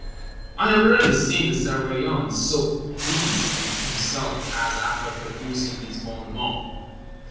I have rarely seen the Surveillant so pleased with himself as after producing this bon mot.